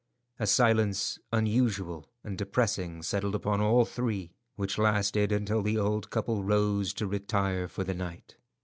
A silence unusual and depressing settled upon all three, which lasted until the old couple rose to retire for the night.